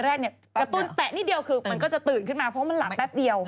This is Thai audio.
แรกเนี่ยกระตุ้นแตะนิดเดียวคือมันก็จะตื่นขึ้นมาเพราะมันหลับแป๊บเดียว